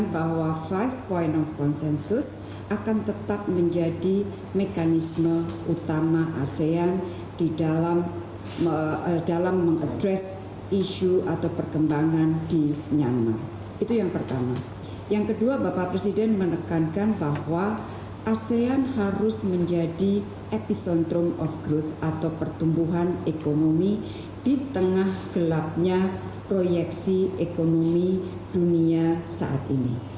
bapak presiden menekankan bahwa asean harus menjadi epicentrum of growth atau pertumbuhan ekonomi di tengah gelapnya proyeksi ekonomi dunia saat ini